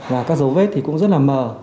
và các dấu vết thì cũng rất là mờ